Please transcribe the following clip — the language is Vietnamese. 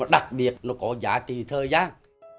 đặc biệt nó có giá trị thời gian